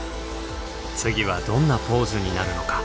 次はどんなポーズになるのか？